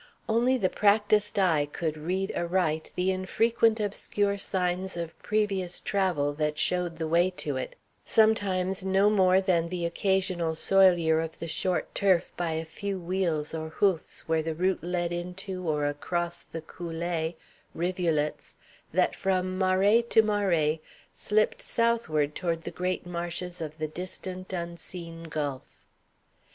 Only the practised eye could read aright the infrequent obscure signs of previous travel that showed the way to it, sometimes no more than the occasional soilure of the short turf by a few wheels or hoofs where the route led into or across the coolées rivulets that from marais to marais slipped southward toward the great marshes of the distant, unseen Gulf.